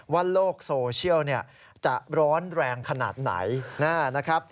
โลกโซเชียลจะร้อนแรงขนาดไหนนะครับ